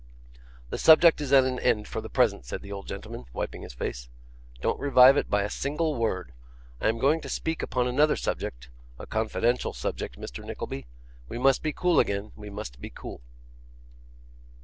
'The subject is at an end for the present,' said the old gentleman, wiping his face. 'Don't revive it by a single word. I am going to speak upon another subject, a confidential subject, Mr. Nickleby. We must be cool again, we must be cool.